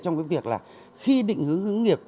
trong việc là khi định hướng hướng nghiệp